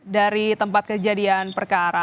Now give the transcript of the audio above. dari tempat kejadian perkara